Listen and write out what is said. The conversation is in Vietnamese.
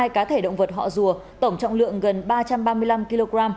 bốn mươi hai cá thể động vật họ rùa tổng trọng lượng gần ba trăm ba mươi năm kg